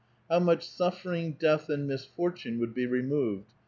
How much suffering, death, and misfortune would be removed.